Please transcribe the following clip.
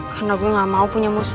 karena gue gak mau punya musuh